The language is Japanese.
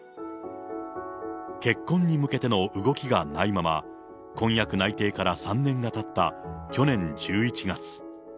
結婚に向けての動きがないまま、婚約内定から３年がたった去年１１月。